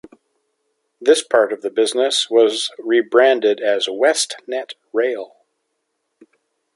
This part of the business was rebranded as WestNet Rail.